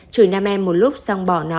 chửi nam em một lúc xong bỏ nó